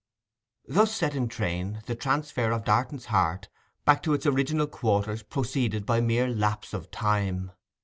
Thus set in train, the transfer of Darton's heart back to its original quarters proceeded by mere lapse of time.